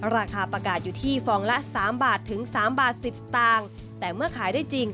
ราคาประกาศอยู่ที่ฟองละ๓บาทถึง๓บาท๑๐ซ์แต่เมื่อขายได้จริง